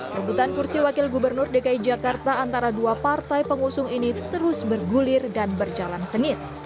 rebutan kursi wakil gubernur dki jakarta antara dua partai pengusung ini terus bergulir dan berjalan sengit